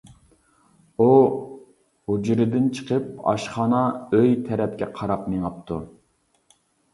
ئۇ ھۇجرىدىن چىقىپ ئاشخانا ئۆي تەرەپكە قاراپ مېڭىپتۇ.